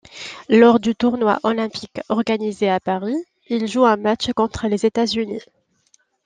Lors du tournoi olympique organisé à Paris, il joue un match contre les États-Unis.